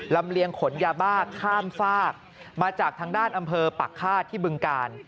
เลียงขนยาบ้าข้ามฝากมาจากทางด้านอำเภอปักฆาตที่บึงกาล